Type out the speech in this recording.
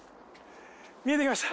見えてきました。